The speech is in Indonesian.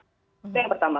itu yang pertama